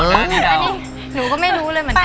อันนี้หนูก็ไม่รู้เลยเหมือนกัน